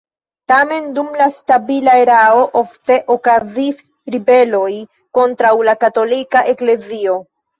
Tamen dum la stabila erao ofte okazis ribeloj kontraŭ la katolika eklezio.